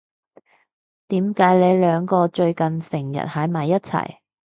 點解你兩個最近成日喺埋一齊？